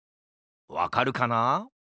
わかるかな？